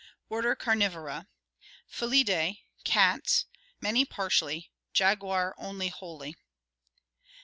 Order Carnivora. Feiidae, cats: many partially, jaguar only wholly.